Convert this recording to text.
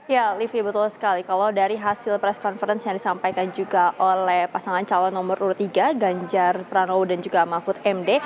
ya livi betul sekali kalau dari hasil press conference yang disampaikan juga oleh pasangan calon nomor urut tiga ganjar pranowo dan juga mahfud md